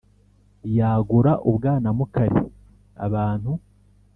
yagura u bwanamukari abantu